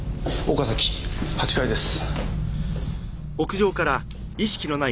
岡崎８階です。